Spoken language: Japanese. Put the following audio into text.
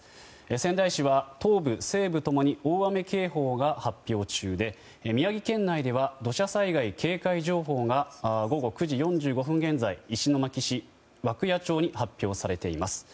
仙台市は東部、西部共に大雨警報が発表中で宮城県内では土砂災害警戒情報が午後９時４５分現在石巻市、涌谷町に発表されています。